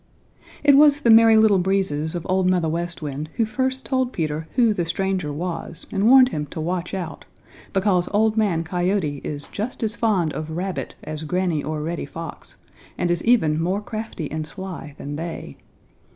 It was the Merry Little Breezes of Old Mother West Wind who first told Peter who the stranger was and warned him to watch out, because Old Man Coyote is just as fond of Rabbit as Granny or Reddy Fox, and is even more crafty and sly than they.